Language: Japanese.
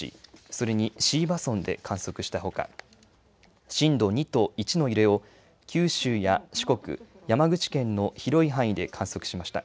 それに椎葉村で観測したほか、震度２と１の揺れを九州や四国、山口県の広い範囲で観測しました。